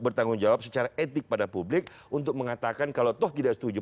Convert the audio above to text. bertanggung jawab secara etik pada publik untuk mengatakan kalau toh tidak setuju